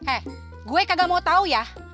eh gue kagak mau tahu ya